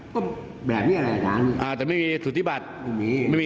ก็แบบนี้แหละแต่ไม่มีสุธิบาติพระนี่ไม่มี